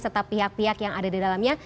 serta pihak pihak yang ada di dalamnya